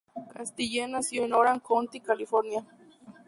Castile nació en Orange County, California.